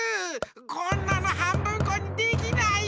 こんなのはんぶんこにできないよ！